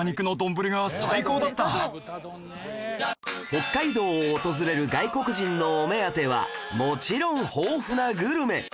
北海道を訪れる外国人のお目当てはもちろん豊富なグルメ